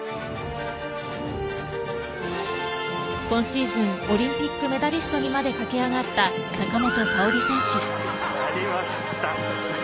今シーズンオリンピックメダリストにまで駆け上がった坂本花織選手。